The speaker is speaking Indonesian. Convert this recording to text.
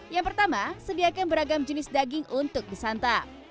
yang pertama sediakan beragam jenis daging untuk disantap